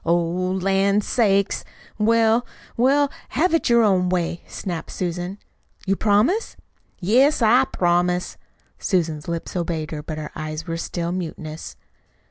"Oh, lan' sakes! Well, well, have it your own way," snapped Susan. "You promise?" "Yes, I promise." Susan's lips obeyed, but her eyes were still mutinous.